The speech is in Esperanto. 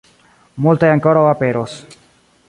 Multaj ankoraŭ aperos.